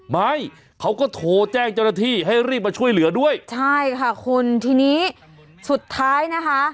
ไม่เขาก็โทรแจ้งเจ้าหน้าที่ให้รีบมาช่วยเหลือด้วยใช่ค่ะคุณทีนี้สุดท้ายนะคะ